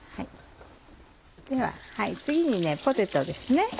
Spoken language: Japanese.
では次にポテトですね。